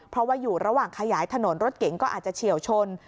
เพราะว่าอยู่ระหว่างขยายถนนรถเก๋งก็อาจจะเฉียวชน